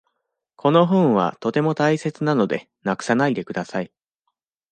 この本はとても大切なので、なくさないでください。